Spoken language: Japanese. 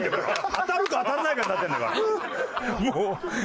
当たるか当たらないかになってるんだから。